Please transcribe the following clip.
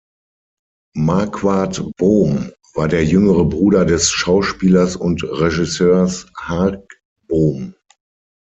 Marquard Bohm war der jüngere Bruder des Schauspielers und Regisseurs Hark Bohm.